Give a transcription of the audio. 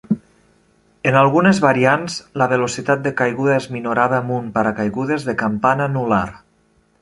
En algunes variants, la velocitat de caiguda es minorava amb un paracaigudes de campana anul·lar.